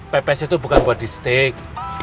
pps itu bukan buat di stick